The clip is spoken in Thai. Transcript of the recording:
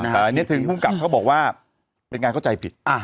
แต่อันนี้คือภูมิกับเขาบอกว่าเป็นการเข้าใจผิด